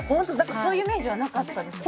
そういうイメージはなかったですね